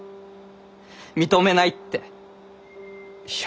認めないって。